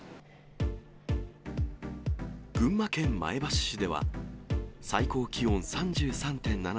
群馬県前橋市では、最高気温３３．７度。